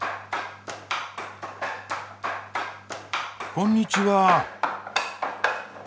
こんにちは。